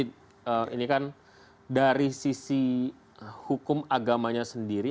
baik kita lanjutkan pak zainul tawhid ini kan dari sisi hukum agamanya sendiri